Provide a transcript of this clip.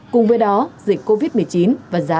cùng với đó dịch covid một mươi chín và giá